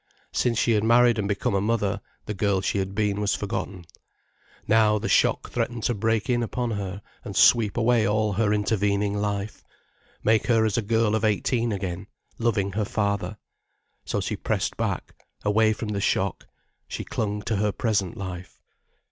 Since she had married and become a mother, the girl she had been was forgotten. Now, the shock threatened to break in upon her and sweep away all her intervening life, make her as a girl of eighteen again, loving her father. So she pressed back, away from the shock, she clung to her present life.